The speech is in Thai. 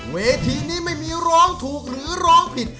เวทีนี้ไม่มีร้องถูกหรือร้องผิด